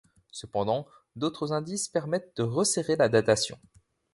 Cependant, d'autres indices permettent de resserrer la datation.